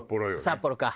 札幌か。